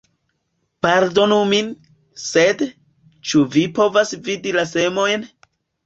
Pardonu min, sed, ĉu vi povas vidi la semojn?